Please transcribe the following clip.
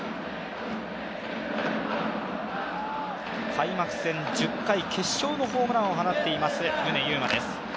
開幕戦１０回、決勝のホームランを放っています、宗佑磨です。